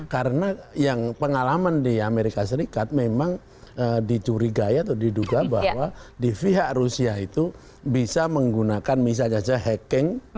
karena yang pengalaman di amerika serikat memang dicurigai atau diduga bahwa di pihak rusia itu bisa menggunakan misalnya saja hacking